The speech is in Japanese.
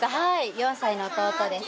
４歳の弟です。